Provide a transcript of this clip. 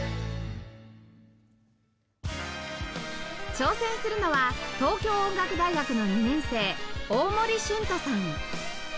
挑戦するのは東京音楽大学の２年生大森駿音さん